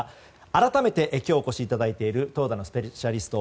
改めて今日お越しいただいている投打のスペシャリスト